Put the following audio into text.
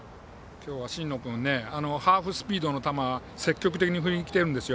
今日は新野君ハーフスピードの球を積極的に振りにきているんですよ。